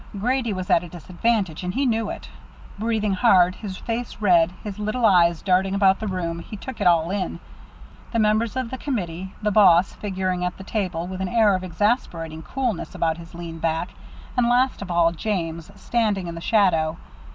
Grady was at a disadvantage, and he knew it. Breathing hard, his face red, his little eyes darting about the room, he took it all in the members of the committee; the boss, figuring at the table, with an air of exasperating coolness about his lean back; and last of all, James, standing in the shadow.